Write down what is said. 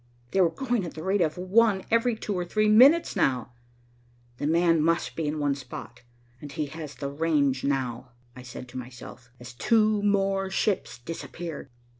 They were going at the rate of one every two or three minutes now. "'The man' must be in one spot, and he has the range now," I said to myself, as two more ships disappeared.